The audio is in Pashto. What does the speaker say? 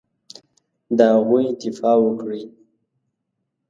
د هغوی دفاع وکړي.